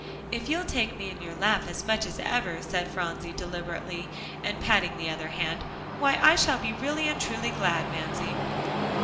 "If you'll take me in your lap as much as ever," said Phronsie deliberately, and patting the other hand, "why I shall be really and truly glad, Mamsie."